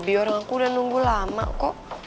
biar aku udah nunggu lama kok